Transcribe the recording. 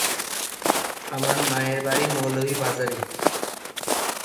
আমার মায়ের বাড়ি মৌলভীবাজারে।